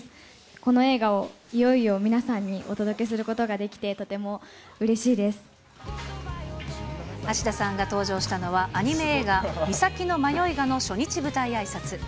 この映画をいよいよ皆さんにお届けすることができて、とてもうれ芦田さんが登場したのは、アニメ映画、岬のマヨイガの初日舞台あいさつ。